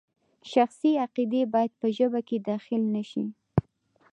شخصي عقیدې باید په ژبه کې دخیل نشي.